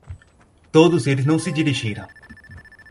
Todos eles não se dirigiram.